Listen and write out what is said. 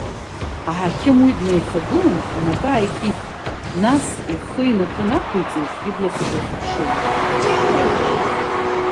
Аҳақьым уи днаихагылан, инапы ааикит, иас ихы инапы нақәиҵеит, иблақәа дырхыԥшыло.